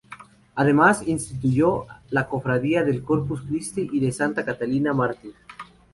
Además instituyó la cofradía del Corpus Christi y de Santa Catalina mártir.